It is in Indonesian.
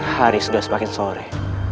hari sudah semakin sore